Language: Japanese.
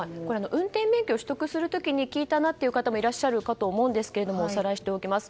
運転免許を取得する際に聞いたなという方もいらっしゃるかと思うんですがおさらいしておきます。